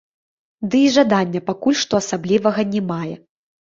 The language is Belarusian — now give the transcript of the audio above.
Ды і жадання пакуль што асаблівага не мае.